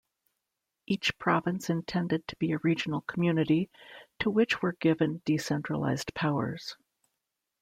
Each province intended to be a regional community, to which were given decentralized powers.